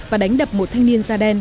và đánh đập một thanh niên da đen